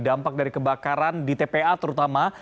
dampak dari kebakaran di tpa terutama